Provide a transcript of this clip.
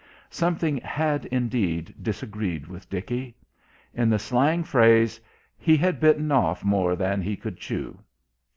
Something had, indeed, disagreed with Dickie. In the slang phrase: "He had bitten off more than he could chew."